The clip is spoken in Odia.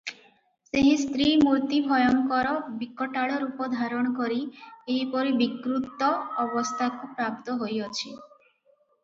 ସେହି ସ୍ତ୍ରୀ ମୂର୍ତ୍ତି ଭୟଙ୍କର ବିକଟାଳ ରୂପ ଧାରଣ କରି ଏହିପରି ବିକୃତ ଅବସ୍ଥାକୁ ପ୍ରାପ୍ତ ହୋଇଅଛି ।